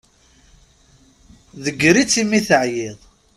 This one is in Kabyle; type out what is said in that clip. Tegger-itt imi teɛyiḍ.